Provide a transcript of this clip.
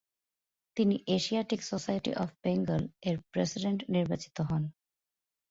তিনি Asiatic Society of বেঙ্গল-এর president নির্বাচিত হন।